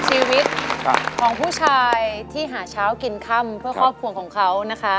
ชีวิตของผู้ชายที่หาเช้ากินค่ำเพื่อครอบครัวของเขานะคะ